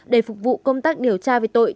để phục vụ công tác điều tra về tội